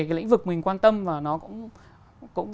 cái lĩnh vực mình quan tâm và nó cũng